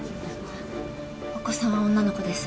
お子さんは女の子です。